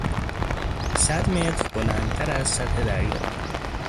صد متر بلندتر از سطح دریا